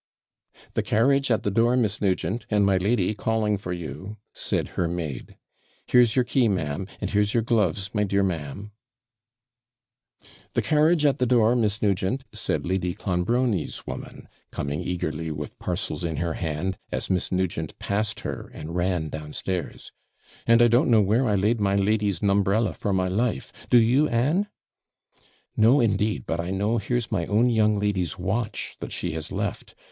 'The carriage at the door, Miss Nugent, and my lady calling for you,' said her maid. 'Here's your key, ma'am, and here's your gloves, my dear ma'am.' 'The carriage at the door, Miss Nugent,' said Lady Clonbrony's woman, coming eagerly with parcels in her hand, as Miss Nugent passed her and ran downstairs; 'and I don't know where I laid my lady's NUMBRELLA, for my life do your Anne?' 'No, indeed but I know here's my own young lady's watch that she has left.